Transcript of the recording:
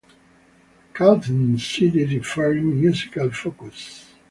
Cauthen cited differing musical focuses.